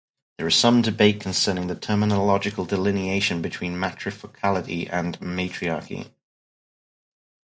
There is some debate concerning the terminological delineation between "matrifocality" and "matriarchy".